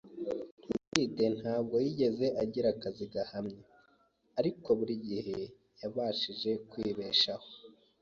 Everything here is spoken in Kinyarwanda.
David ntabwo yigeze agira akazi gahamye, ariko buri gihe yabashije kwibeshaho.